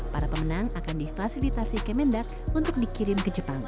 para pemenang akan difasilitasi kemendak untuk dikirim ke jepang